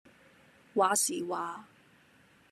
話時話